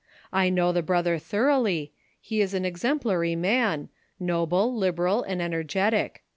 I know the brother thor oughly ; he is an exem])lary man ; noble, liberal and ener getic.